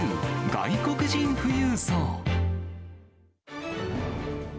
外国人富裕層。